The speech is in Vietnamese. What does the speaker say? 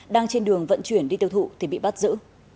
đang trên đường vận chuyển đi tiêu thụ thì bị bắt giữ